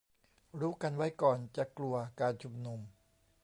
รู้กันไว้ก่อนจะกลัว การชุมนุม